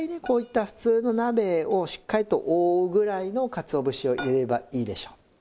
こういった普通の鍋をしっかりと覆うぐらいのかつお節を入れればいいでしょう。